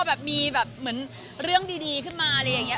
สัญญาณที่ดีหมายถึงว่าพอมีเรื่องดีขึ้นมา